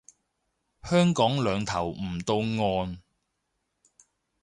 香港兩頭唔到岸